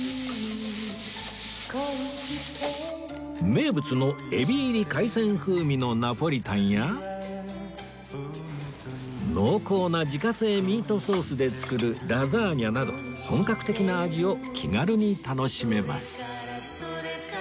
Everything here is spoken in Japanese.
名物のエビ入り海鮮風味のナポリタンや濃厚な自家製ミートソースで作るラザーニャなど本格的な味を気軽に楽しめます